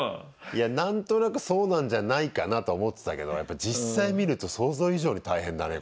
いや何となくそうなんじゃないかなとは思ってたけどやっぱり実際見ると想像以上に大変だね